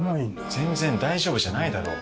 全然大丈夫じゃないだろ。